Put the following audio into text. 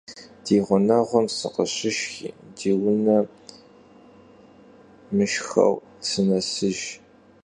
Di ğuneğum sıkhışışşxi di vune mışşxeu sınesıjj.